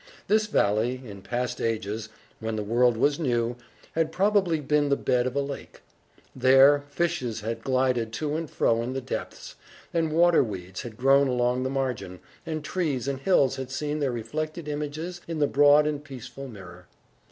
This valley, in past ages, when the world was new, had probably been the bed of a lake. There, fishes had glided to and fro in the depths, and water weeds had grown along the margin, and trees and hills had seen their reflected images in the broad and peaceful mirror.